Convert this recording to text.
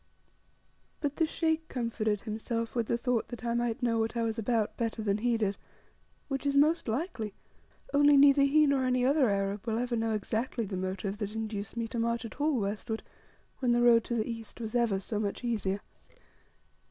But the Sheikh comforted himself with the thought that I might know what I was about better than he did, which is most likely, only neither he nor any other Arab will ever know exactly the motive that induced me to march at all westward when the road to the east was ever so much easier.